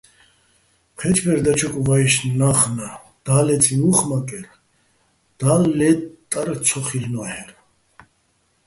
ჴეჩბერ დაჩოკ ვაჲშნ - ნა́ხნ - და́ლეწიჼ უ̂ხ მაკერ, და́ლ ლე́ტარ ცო ხილ'ნო́ჰ̦ერ.